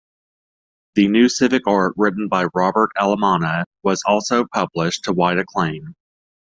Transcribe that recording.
The New Civic Art, written with Robert Alminana, was also published to wide acclaim.